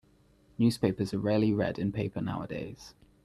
Newspapers are rarely read in paper nowadays.